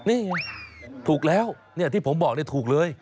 นี่ถูกแล้วที่ผมบอกถูกเลย